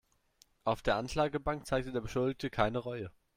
Auf der Anklagebank zeigte der Beschuldigte keine Reue.